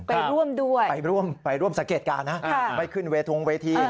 ไปร่วมด้วยไปร่วมสังเกตการณ์นะครับไปขึ้นเวทูงเวที